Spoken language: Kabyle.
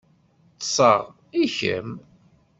Ṭṣeɣ, i kemm?